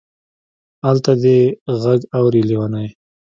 الته دې غږ اوري لېونۍ.